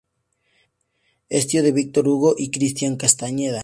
Es tío de Víctor Hugo y Cristián Castañeda.